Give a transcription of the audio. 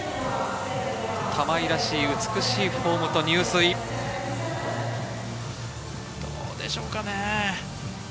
玉井らしい、美しいフォームどうでしょうかね。